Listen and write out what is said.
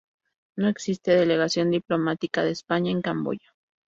No existe delegación diplomática de España en Camboya.